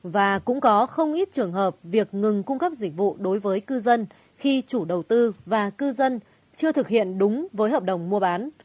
và cũng có không ít trường hợp việc ngừng cung cấp dịch vụ đối với cư dân khi chủ đầu tư và cư dân chưa thực hiện đúng với hợp đồng mua bán